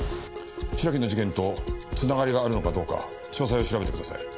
白木の事件と繋がりがあるのかどうか詳細を調べてください。